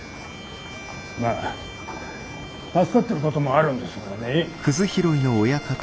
まあ助かってることもあるんですがね。